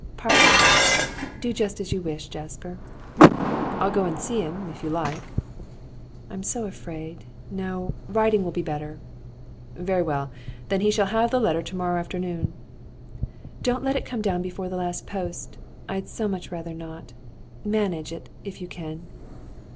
'Partly. Do just as you wish, Jasper.' 'I'll go and see him, if you like.' 'I am so afraid No, writing will be better.' 'Very well. Then he shall have the letter to morrow afternoon.' 'Don't let it come before the last post. I had so much rather not. Manage it, if you can.